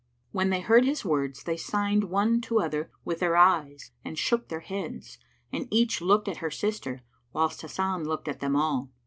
When they heard his words they signed one to other with their eyes and shook their heads, and each looked at her sister, whilst Hasan looked at them all.